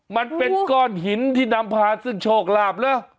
มันเป็นก้อนหินที่นำพาซึ่งโชคลาภเหรอ